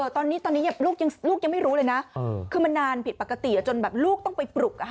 ตอนนี้ลูกยังไม่รู้เลยนะคือมันนานผิดปกติจนแบบลูกต้องไปปลุก